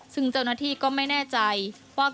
ซึ่งเจ้าหน้าที่ก็ไม่แน่ใจว่า